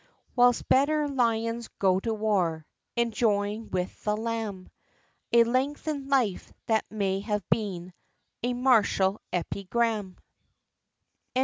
Whilst better lions go to war, Enjoying with the lamb A lengthen'd life, that might have been A Martial Epigram.